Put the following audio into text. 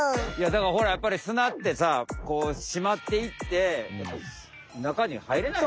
だからほらやっぱり砂ってさこうしまっていって中に入れないよ。